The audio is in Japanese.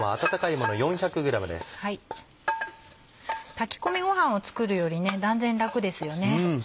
炊き込みごはんを作るより断然楽ですよね。